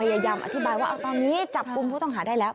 พยายามแก้งพอบึงพุธองหาได้แล้ว